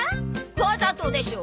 わざとでしょ！